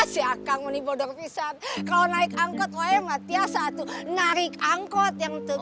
si akang ini bodor pisat kalo naik angkot woye mah tiasa tuh narik angkot yang tuh